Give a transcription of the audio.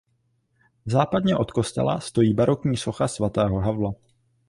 Západně od kostela stojí barokní socha svatého Havla.